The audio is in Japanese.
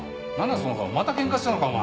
その顔またケンカしたのかお前。